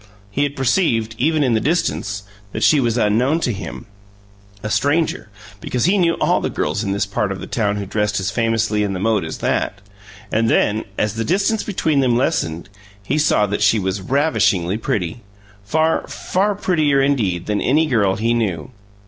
He had perceived, even in the distance, that she was unknown to him, a stranger, because he knew all the girls in this part of the town who dressed as famously in the mode as that! And then, as the distance between them lessened, he saw that she was ravishingly pretty; far, far prettier, indeed, than any girl he knew.